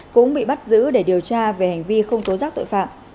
cũng bị bắt giữ để điều tra về hành vi không tố giác tội phạm